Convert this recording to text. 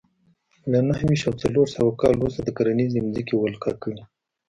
له نهه ویشت او څلور سوه کال وروسته د کرنیزې ځمکې ولکه کړې